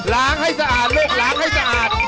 ล้างให้สะอาดลูกล้างให้สะอาด